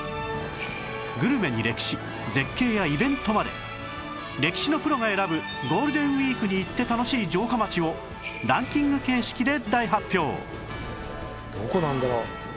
グルメに歴史絶景やイベントまで歴史のプロが選ぶゴールデンウィークに行って楽しい城下町をランキング形式で大発表